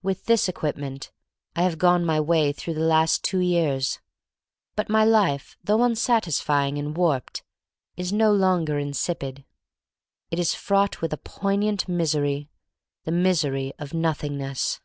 With this equipment I have gone my way through the last two years. But my life, though unsatisfying and warped, is no longer insipid. It is fraught with a poignant misery'— the misery of nothingness.